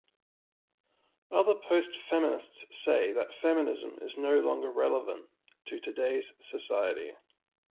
Other postfeminists say that feminism is no longer relevant to today's society.